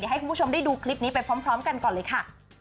ให้คุณผู้ชมได้ดูคลิปนี้ไปพร้อมกันก่อนเลยค่ะ